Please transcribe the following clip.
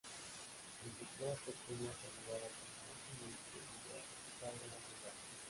Desde que era pequeña, se mudaba constantemente debido a que su padre era soldado.